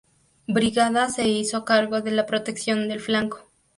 Brigada se hizo cargo de la protección del flanco.